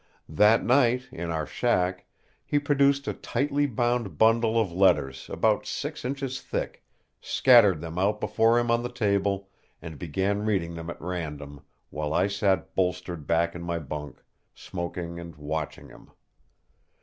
That night, in our shack, he produced a tightly bound bundle of letters about six inches thick, scattered them out before him on the table, and began reading them at random, while I sat bolstered back in my bunk, smoking and watching him.